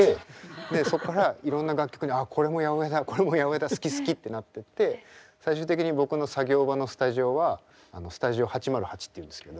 でそっからいろんな楽曲にああこれも８０８だこれも８０８だ好き好きってなってって最終的に僕の作業場のスタジオはスタジオ８０８っていうんですけど。